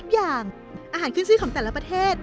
อย่างอาหารขึ้นชื่อของแต่ละประเทศ